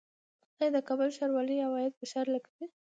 آیا د کابل ښاروالي عواید په ښار لګوي؟